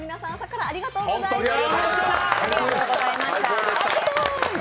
朝からありがとうございました。